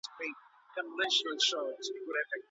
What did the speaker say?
ژورنالیزم پوهنځۍ بې دلیله نه تړل کیږي.